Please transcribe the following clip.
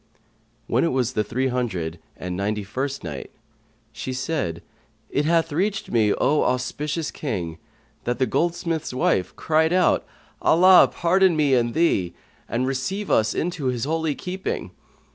When it was the Three hundred and Ninety first Night, She said, It hath reached me, O auspicious King, that the goldsmith's wife cried out, "Allah pardon me and thee, and receive us into his holy keeping!"